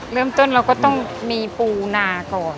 เริ่มต้นเราก็ต้องมีปูนาก่อน